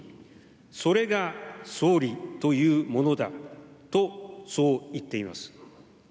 それが総理というものだとそう言っています。